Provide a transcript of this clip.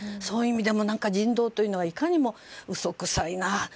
そういう意味でも人道というのはいかにも嘘くさいな。